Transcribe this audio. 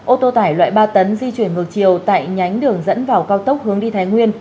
ô tô tải loại ba tấn di chuyển ngược chiều tại nhánh đường dẫn vào cao tốc hướng đi thái nguyên